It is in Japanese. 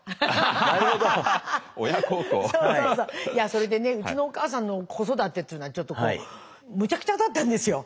それでねうちのお母さんの子育てっていうのはむちゃくちゃだったんですよ。